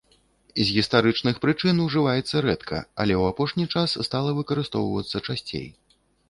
З гістарычных прычын ужываецца рэдка, але ў апошні час стала выкарыстоўвацца часцей.